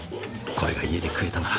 これが家で食えたなら。